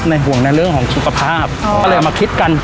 ห่วงในเรื่องของสุขภาพก็เลยเอามาคิดกัน